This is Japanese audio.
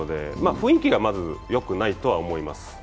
雰囲気はまずよくないとは思います。